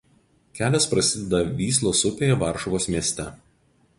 Kelias prasideda Vyslos upėje Varšuvos mieste.